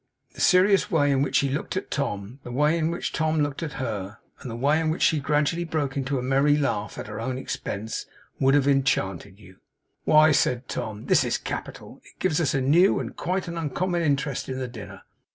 The serious way in which she looked at Tom; the way in which Tom looked at her; and the way in which she gradually broke into a merry laugh at her own expense, would have enchanted you. 'Why,' said Tom 'this is capital. It gives us a new, and quite an uncommon interest in the dinner.